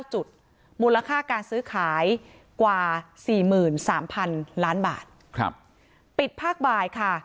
จุดมูลค่าการซื้อขายกว่า๔๓๐๐๐ล้านบาทปิดภาคบ่ายค่ะ